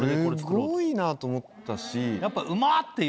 すごいなと思ったし。